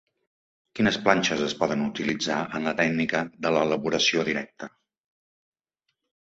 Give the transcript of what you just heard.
Quines planxes es poden utilitzar en la tècnica de l'elaboració directa?